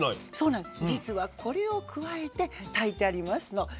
実はこれを加えて炊いてありますの。